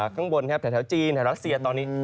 ข้างบนครับแถวจีนแถวรัสเซียตอนนี้